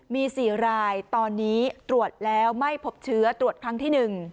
มี๔รายตอนนี้ตรวจแล้วไม่พบเชื้อตรวจครั้งที่๑